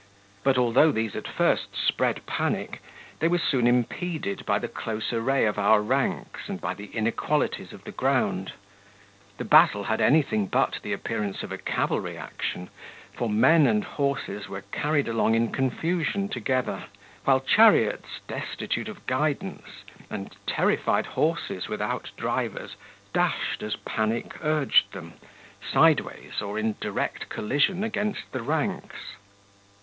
But although these at first spread panic, they were soon impeded by the close array of our ranks and by the inequalities of the ground. The battle had anything but the appearance of a cavalry action, for men and horses were carried along in confusion together, while chariots, destitute of guidance, and terrified horses without drivers, dashed as panic urged them, sideways, or in direct collision against the ranks.